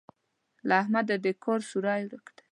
له احمده د کار سوری ورک دی.